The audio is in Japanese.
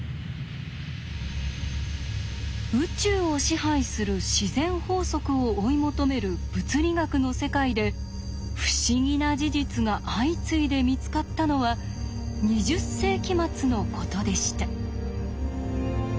宇宙を支配する自然法則を追い求める物理学の世界で不思議な事実が相次いで見つかったのは２０世紀末のことでした。